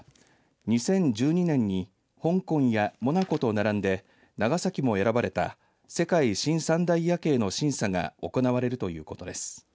２０１２年に香港やモナコと並んで長崎も選ばれた世界新三大夜景の審査が行われるということです。